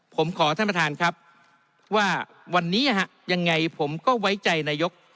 ผมขอท่านประธานครับว่าวันนี้ยังไงผมก็ไว้ใจนายก